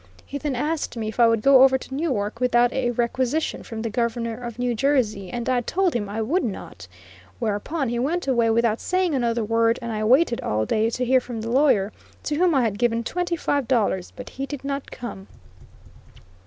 He then asked me if I would go over to Newark without a requisition from the Governor of New Jersey, and I told him I would not; whereupon he went away without saying another word, and I waited all day to hear from the lawyer to whom I had given twenty five dollars, but he did not come.